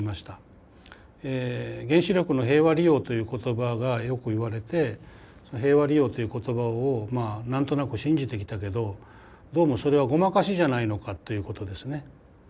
原子力の平和利用という言葉がよく言われてその平和利用という言葉をまあ何となく信じてきたけどどうもそれはごまかしじゃないのかということですね。